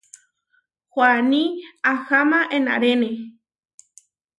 Huaní aháma enárene.